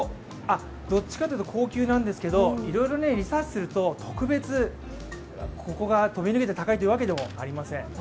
どっちかというと高級ですがいろいろリサーチすると特別ここが飛び抜けて高いというわけでもありません。